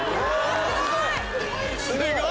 すごい！